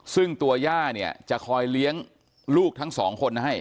ซึ่งตัวย่าเนี่ยจะคอยเลี้ยงลูกทั้งสองคนให้